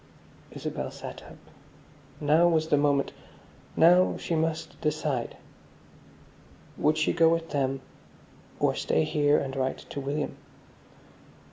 Isabel sat up. Now was the moment, now she must decide. Would she go with them, or stay here and write to William.